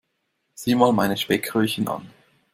Sieh mal meine Speckröllchen an.